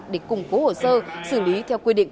để củng cố hồ sơ xử lý theo quy định